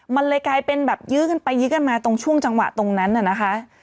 มันเลยกลายเป็นแบบยื้อกันไปยื้อกันมาตรงช่วงจังหวะตรงนั้นน่ะนะคะ